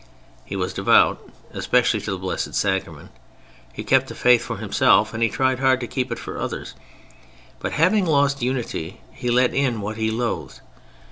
He was devout, especially to the Blessed Sacrament. He kept the Faith for himself, and he tried hard to keep it for others. But having lost unity, he let in what he loathed.